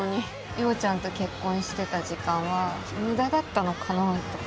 陽ちゃんと結婚してた時間は無駄だったのかなとか。